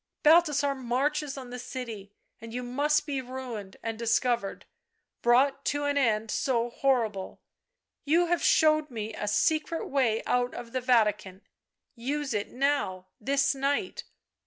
Balthasar marches on the city, and you must be ruined and discovered — brought to an end so horrible. You have showed me a secret way out of the Vatican, use it now, this night.